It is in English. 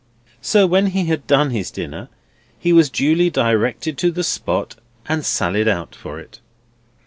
So when he had done his dinner, he was duly directed to the spot, and sallied out for it.